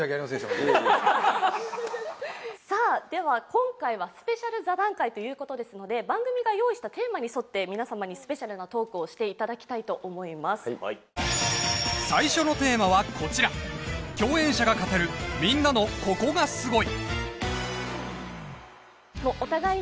いえいえさあでは今回はスペシャル座談会ということですので番組が用意したテーマに沿って皆さまにスペシャルなトークをしていただきたいと思います最初のテーマはこちらちょっと恥ずかしいですね